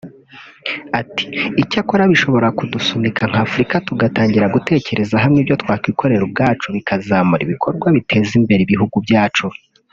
Ati “Icyakora bishobora kudusunika nk’Afurika tugatangira gutekerereza hamwe ibyo twakwikorera ubwacu bikazamura ibikorwa biteza imbere ibihugu byacu